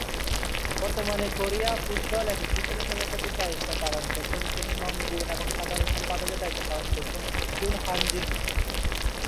বর্তমানে Korea football অ্যাসোসিয়েশনের সভাপতির দায়িত্ব পালন করছেন চুং মং গু এবং সাধারণ সম্পাদকের দায়িত্ব পালন করছেন চুন হাঞ্জিন।